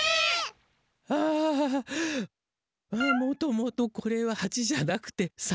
もともとこれは８じゃなくて３。